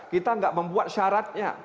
kita tidak membuat syaratnya